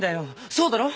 そうだろ？